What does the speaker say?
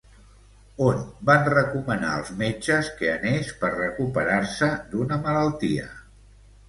On van recomanar els metges que anés per recuperar-se d'una malaltia?